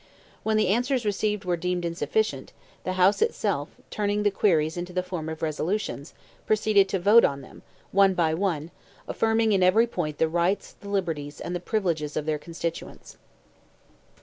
When the answers received were deemed insufficient, the House itself, turning the queries into the form of resolutions, proceeded to vote on them, one by one, affirming in every point the rights, the liberties, and the privileges of their constituents.